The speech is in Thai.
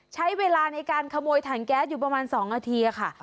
ใช้เวลาในการขโมยถังแก๊สอยู่ประมาณ๒นาทีค่ะ